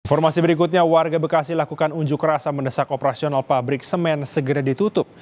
informasi berikutnya warga bekasi lakukan unjuk rasa mendesak operasional pabrik semen segera ditutup